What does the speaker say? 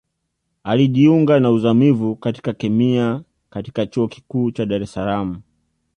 Alijiunga na Uzamivu katika Kemia katika Chuo Kikuu cha Dar es Salaam